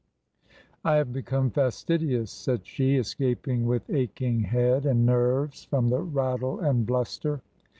" I have become fastidious," said she, escaping with aching head and nerves from the rattle and bluster.